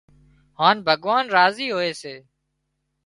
هانَ ڀڳوان راضي هوئي سي